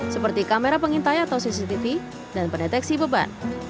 seperti kamera pengintai atau cctv dan pendeteksi beban